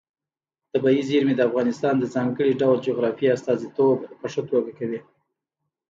طبیعي زیرمې د افغانستان د ځانګړي ډول جغرافیې استازیتوب په ښه توګه کوي.